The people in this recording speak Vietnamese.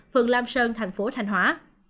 phường lam sơn tp thanh hóa